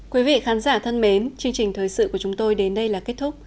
quý vị khán giả thân mến chương trình thời sự của chúng tôi đến đây là kết thúc